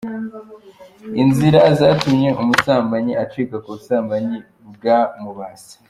Inzira zatuma umusambanyi acika ku busambanyi bwamubase